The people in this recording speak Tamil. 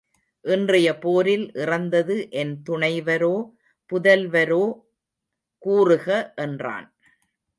இன்றைய போரில் இறந்தது என் துணைவரோ புதல்வரோ கூறுக என்றான்.